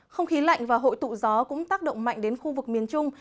không khí lạnh và hội tụ gió cũng tác động mạnh đến khu vực miền trung